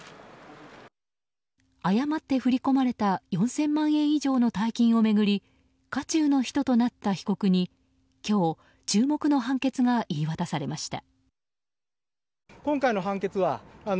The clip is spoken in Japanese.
誤って振り込まれた４０００万円以上の大金を巡り渦中の人となった被告に、今日注目の判決が言い渡されました。